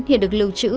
hiện được lưu trữ